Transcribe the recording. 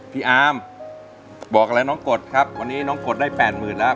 พี่อาร์มบอกอะไรน้องกฎครับวันนี้น้องกฎได้แป่นหมื่นแล้ว